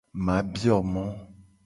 Ma bio mo.